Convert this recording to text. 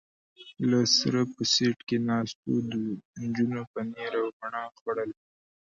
له سره په سېټ کې ناست و، نجونو پنیر او مڼه خوړل.